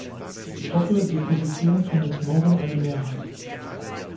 Ich hoffe, die Position findet morgen eine Mehrheit.